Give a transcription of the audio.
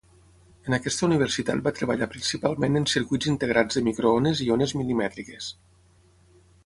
En aquesta universitat va treballar principalment en circuits integrats de microones i ones mil·limètriques.